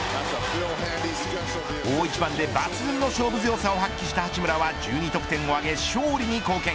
大一番で抜群の勝負強さを発揮した八村は１２得点を挙げ勝利に貢献。